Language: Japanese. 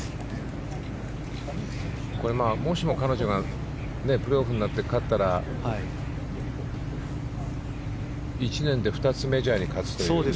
もしも彼女がプレーオフになって勝ったら１年で２つメジャーに勝つという。